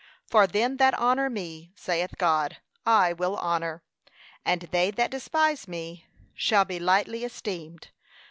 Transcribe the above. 'For them that honour me,' saith God, 'I will honour, and they that despise me shall be lightly esteemed.